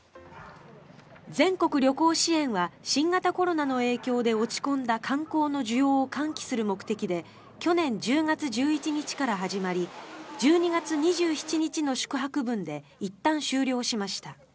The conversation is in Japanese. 全国旅行支援は新型コロナの影響で落ち込んだ観光の需要を喚起する目的で去年１０月１１日から始まり１２月２７日の宿泊分でいったん終了しました。